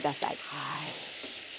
はい。